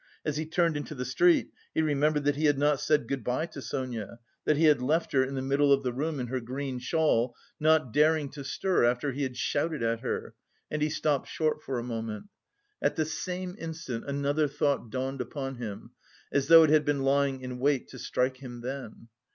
As he turned into the street he remembered that he had not said good bye to Sonia, that he had left her in the middle of the room in her green shawl, not daring to stir after he had shouted at her, and he stopped short for a moment. At the same instant, another thought dawned upon him, as though it had been lying in wait to strike him then.